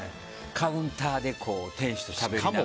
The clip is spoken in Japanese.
カウンターで店主としゃべりながら。